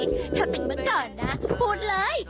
ถ้าเป็นเมื่อก่อนนะพูดเลย